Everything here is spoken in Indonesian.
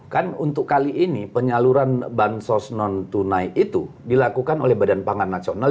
kan untuk kali ini penyaluran bansos non tunai itu dilakukan oleh badan pangan nasional